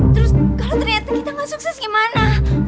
terus kalau ternyata kita gak sukses gimana